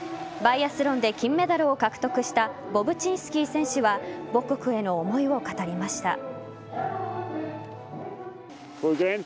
バイアスロンで金メダルを獲得したボブチンスキー選手は母国への思いを語りました。